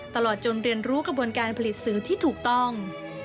ตลอดจนเรียนรู้กระบวนการผลิตสื่อที่ถูกต้อง